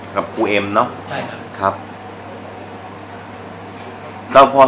กับครูเอ็มเนอะครับ